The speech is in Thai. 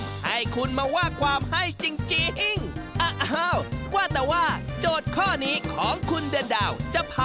ไม่รู้ว่าอาชีพทนายนี้เต้นได้ไหมค่ะ